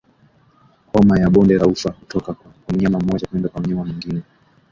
Homa ya bonde la ufa hutoka kwa mnyama mmoja kwenda kwa mnyama mwingine